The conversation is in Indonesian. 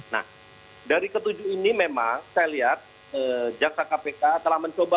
nah dari ketujuh ini memang saya lihat jaksa kpk telah mencoba